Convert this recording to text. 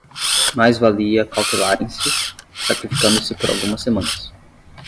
Mais valia acautelarem-se, sacrificando-se por algumas semanas.